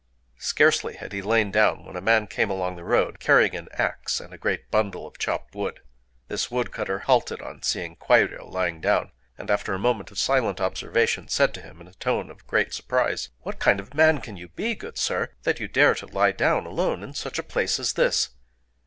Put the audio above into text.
Scarcely had he lain down when a man came along the road, carrying an axe and a great bundle of chopped wood. This woodcutter halted on seeing Kwairyō lying down, and, after a moment of silent observation, said to him in a tone of great surprise:— "What kind of a man can you be, good Sir, that you dare to lie down alone in such a place as this?...